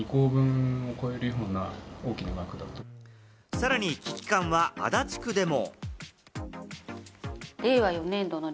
さらに危機感は足立区でも。